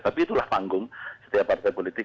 tapi itulah panggung setiap partai politik